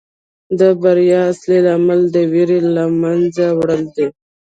د بریا اصلي لامل د ویرې له منځه وړل دي.